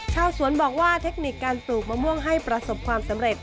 ชาวสวนบอกว่าเทคนิคการปลูกมะม่วงให้ประสบความสำเร็จ